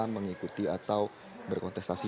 mengikuti atau berkontestasi